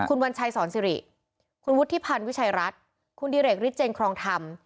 คุณวัญชัยสอนสิริคุณวุฒิพันธ์วิชัยรัฐคุณดิเรกฤทธเจนครองธรรม